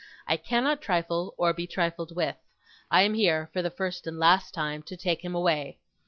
I cannot trifle, or be trifled with. I am here, for the first and last time, to take him away.